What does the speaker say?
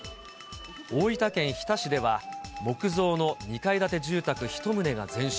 大分県日田市では、木造の２階建て住宅１棟が全焼。